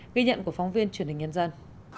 ghi nhận của phóng viên truyền hình nhân dân